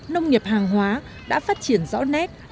nông nghiệp hàng hóa đã phát triển rõ nét